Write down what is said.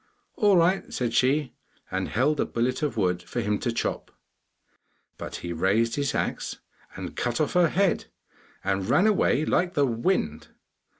'All right,' said she, and held a billet of wood for him to chop. But he raised his axe and cut off her head, and ran away like the wind.